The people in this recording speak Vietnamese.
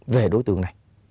về đối tượng này